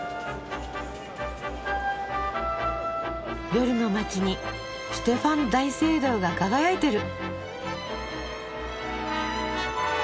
夜の街にシュテファン大聖堂が輝いてる。